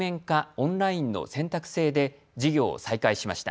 オンラインの選択制で授業を再開しました。